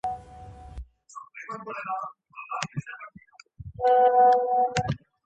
There is also a gift store that features exclusive goods for One Piece fans.